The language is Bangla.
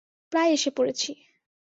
প্রায় এসে পড়েছি।